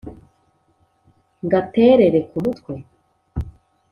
ngaterere ku mutwe